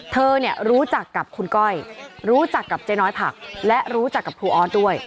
เธอเนี่ยรู้จักกับคุณก้อยรู้จักกับเจ๊น้อยผักและรู้จักกับครูออสด้วย